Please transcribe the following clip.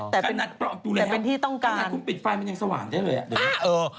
แต่เป็นที่ต้องการดูเลยครับถ้าคุณปิดไฟมันยังสว่างเท่าไหร่